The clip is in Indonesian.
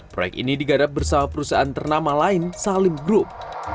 proyek ini digadap bersama perusahaan ternama lain salim group